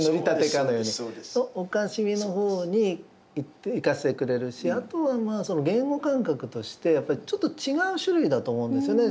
可笑しみの方にいかせてくれるしあとは言語感覚としてやっぱりちょっと違う種類だと思うんですよね。